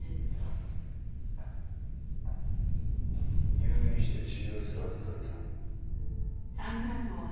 入院して治療するはずだった。